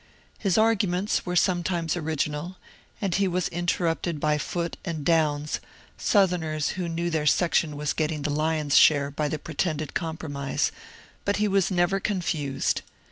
His arguments were sometimes original, and he was interrupted by Foote and Downs, Southerners who knew their section was getting the lion's share by the pretended " Compromise/' but he was never confused.